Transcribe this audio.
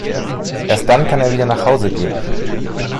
Erst dann kann er wieder nach Hause gehen.